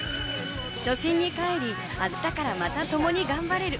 初心に返り、明日からまたともに頑張れる。